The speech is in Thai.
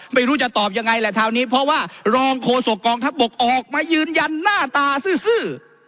ไม่รู้จะตอบยังไงแหละคราวนี้เพราะว่ารองโฆษกองทัพบกออกมายืนยันหน้าตาซื่อ